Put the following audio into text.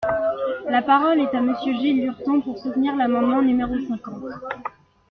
La parole est à Monsieur Gilles Lurton, pour soutenir l’amendement numéro cinquante.